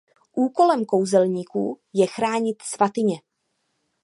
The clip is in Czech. Úkolem kouzelníků je chránit Svatyně.